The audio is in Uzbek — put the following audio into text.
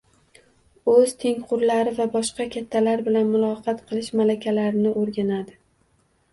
O‘z tengqurlari va boshqa kattalar bilan muloqot qilish malakalarini o‘rganadi.